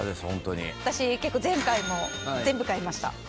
私結構前回も全部買いました。